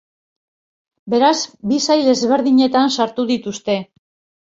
Beraz, bi sail ezberdinetan sartu dituzte.